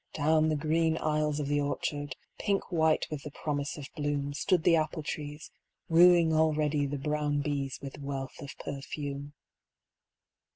Down the green aisles of the orchard, pink white with the promise of bloom, Stood the apple trees, wooing already the brown bees with wealth of perfume.